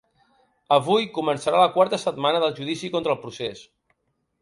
Avui començarà la quarta setmana del judici contra el procés.